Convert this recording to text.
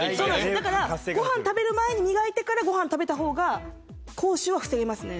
だからご飯食べる前にみがいてからご飯食べた方が口臭は防げますね。